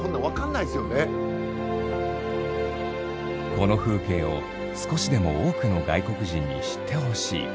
「この風景を少しでも多くの外国人に知ってほしい」。